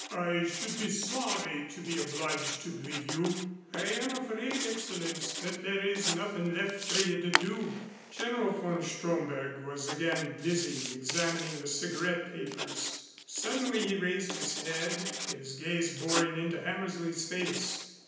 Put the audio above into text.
"I should be sorry to be obliged to believe you." "I am afraid, Excellenz, that there is nothing left for you to do." General von Stromberg was again busy examining the cigarette papers. Suddenly he raised his head, his gaze boring into Hammersley's face.